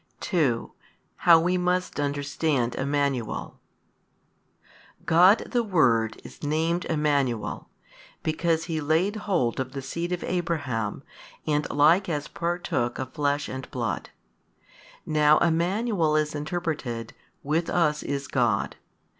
2. How we must understand Emmanuel. God the Word is named Emmanuel, because He laid hold of the seed of Abraham and like as partook of flesh and blood. Now Emmanuel is interpreted, With us is God.